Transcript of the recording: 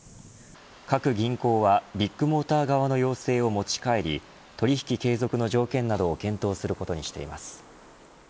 各銀行は、ビッグモーター側の要請を持ち帰り取引継続の条件などを検討することにしています。